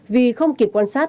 vì không kịp quan sát